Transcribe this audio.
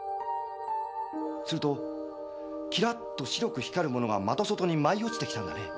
するとキラッと白く光るものが窓外に舞い落ちて来たんだね。